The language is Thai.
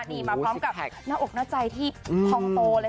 นี่มาพร้อมกับหน้าอกหน้าใจที่พองโตเลย